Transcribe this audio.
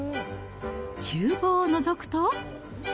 ちゅう房をのぞくと。